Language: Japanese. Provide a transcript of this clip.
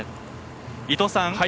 伊藤さん